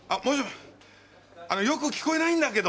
あのよく聞こえないんだけど。